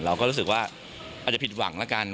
เราก็รู้สึกว่าอาจจะผิดหวังแล้วกัน